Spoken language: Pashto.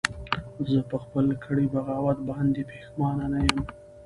زه په خپل کړي بغاوت باندې پښیمانه نه یم